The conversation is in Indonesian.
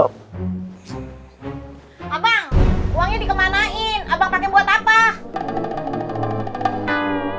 abang uangnya dikemanain abang pakai buat apa